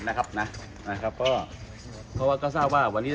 ไม่มีอะไรเมื่อก็แสดงความสุขใจเข้าให้เห็นนะคะ